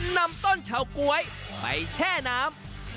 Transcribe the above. นำต้นเฉาก๊วยไปแช่น้ำ